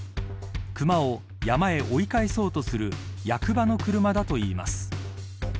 熊を山へ追い返そうとする役場の車だといいます。